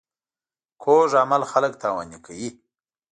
کوږ عمل خلک تاواني کوي